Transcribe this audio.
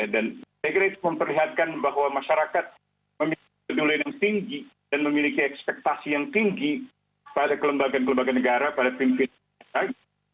dan saya kira itu memperlihatkan bahwa masyarakat memiliki penulisan yang tinggi dan memiliki ekspektasi yang tinggi pada kelembagaan kelembagaan negara pada pimpinan negara